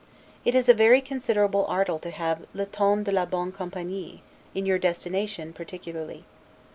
It is a very considerable article to have 'le ton de la bonne compagnie', in your destination particularly.